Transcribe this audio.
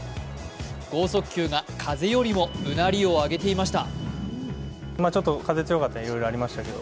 剛速球が風よりもうなりを上げていました。